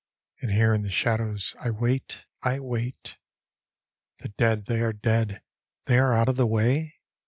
And here in the shadows I wait, I waitl The dead they are dead, they are out of the way?